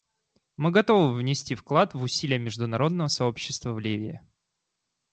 Мы готовы внести вклад в усилия международного сообщества в Ливии.